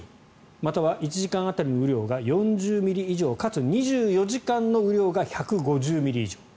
または１時間当たりの雨量が４０ミリ以上かつ２４時間の雨量が１５０ミリ以上。